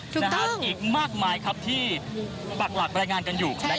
ถูกต้องอีกมากมายครับที่ปรักหลักรายงานกันอยู่นะครับ